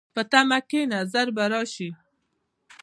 په تمه کښېنه، ژر به راشي.